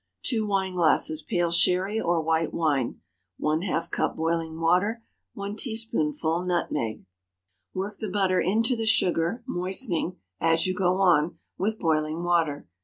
2 wineglasses pale Sherry or white wine. ½ cup boiling water. 1 teaspoonful nutmeg. Work the butter into the sugar, moistening, as you go on, with boiling water.